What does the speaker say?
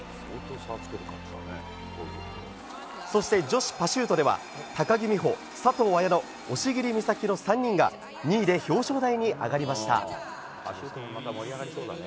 そして女子パシュートでは高木美帆、佐藤綾乃押切美沙紀の３人が２位で表彰台に上がりました。